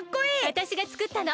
わたしがつくったの。